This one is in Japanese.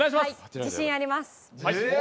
自信あります。